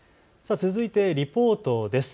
続いてリポートです。